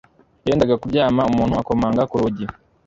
Yendaga kuryama umuntu akomanga ku rugi